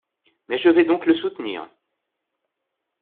Mais je vais donc le soutenir.